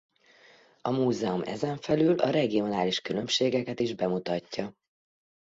A múzeum ezen felül a regionális különbségeket is bemutatja.